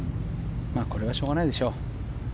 これはしょうがないでしょう。